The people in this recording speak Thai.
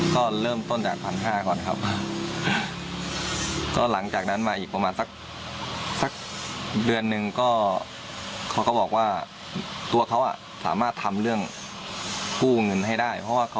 ก็เริ่มต้นจากพันห้าก่อนครับก็หลังจากนั้นมาอีกประมาณสัก